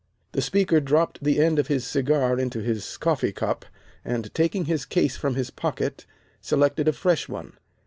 The speaker dropped the end of his cigar into his coffee cup and, taking his case from his pocket, selected a fresh one.